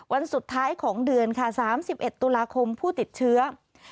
วันสุดท้ายของเดือนค่ะ๓๑ตุลาคมผู้ติดเชื้อ